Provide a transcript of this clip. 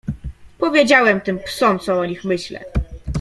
"Powiedziałem tym psom, co o nich myślę."